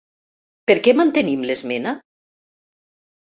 Per què mantenim l'esmena?